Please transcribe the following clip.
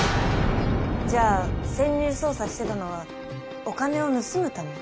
じゃあ潜入捜査してたのはお金を盗むため？